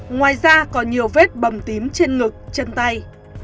ngoài ra còn nhiều vết bầm tím trên ngực chân tay